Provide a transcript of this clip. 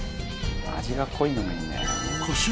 「味が濃いのがいいんだよね」